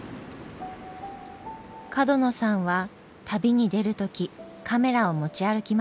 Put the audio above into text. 角野さんは旅に出る時カメラを持ち歩きません。